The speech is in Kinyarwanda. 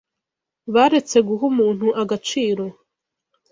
baretse guha umuntu agaciro